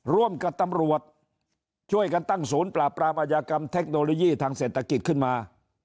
ร่วมกับตำรวจช่วยกันตั้งศูนย์ปราบปรามอายากรรมเทคโนโลยีทางเศรษฐกิจขึ้นมา